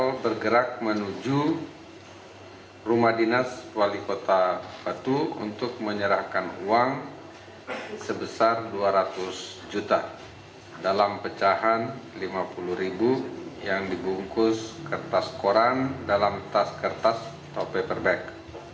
tol bergerak menuju rumah dinas wali kota batu untuk menyerahkan uang sebesar dua ratus juta dalam pecahan rp lima puluh ribu yang dibungkus kertas koran dalam tas kertas atau paper bag